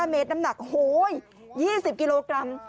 เมตรน้ำหนัก๒๐กิโลกรัม